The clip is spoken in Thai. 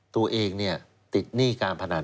ตัวเองติดหนี้การพนัน